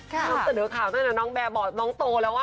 สนุกข่าวนั่นนะน้องแบร์บอร์ตน้องโตแล้วอ่ะ